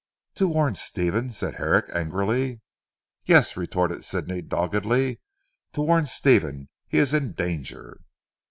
"To warn Stephen?" said Herrick angrily. "Yes," retorted Sidney doggedly, "to warn Stephen. He is in danger."